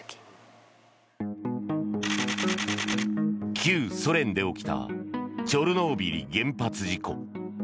旧ソ連で起きたチョルノービリ原発事故。